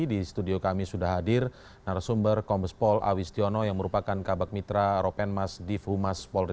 di studio kami sudah hadir narasumber kompos pol awistiono yang merupakan kabak mitra ropen mas div humas polri